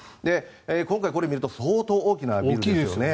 今回、これを見ると相当大きなビルですよね。